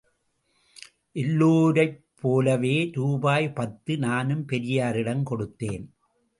எல்லோரைப் போலவே ரூபாய் பத்து நானும் பெரியாரிடம் கொடுத்தேன்.